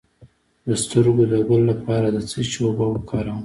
د سترګو د ګل لپاره د څه شي اوبه وکاروم؟